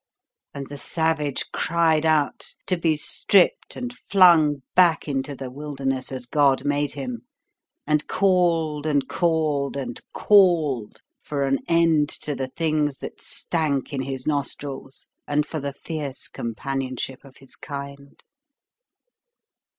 and the Savage cried out to be stripped and flung back into the wilderness as God made him, and called and called and called for an end to the things that stank in his nostrils and for the fierce companionship of his kind.